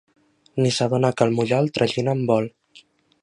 Ni s'adona que el Mujal tragina un bol.